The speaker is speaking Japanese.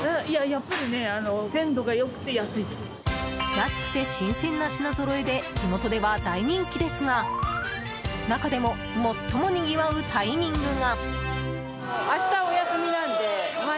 安くて新鮮な品ぞろえで地元では大人気ですが中でも最もにぎわうタイミングが。